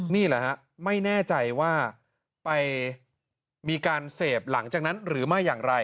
นี่แหละฮะไม่แน่ใจว่าไปมีการเสพหลังจากนั้นหรือไม่อย่างไร